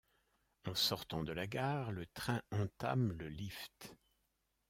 En sortant de la gare, le train entame le lift.